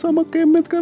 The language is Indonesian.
saya bawa lekker